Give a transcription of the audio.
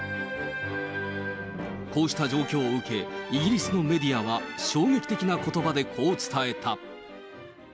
こうした状況を受け、イギリスのメディアは、衝撃的なことばでこう伝えた。